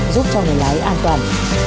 giúp cho người lái an toàn